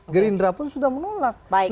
sudah pun sudah menolak